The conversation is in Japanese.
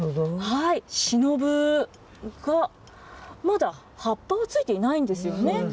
シノブが、まだ葉っぱはついていないんですよね。